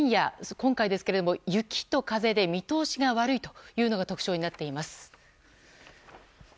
今回ですが、雪と風で見通しが悪いというのが特徴になっています。